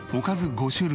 ５種類？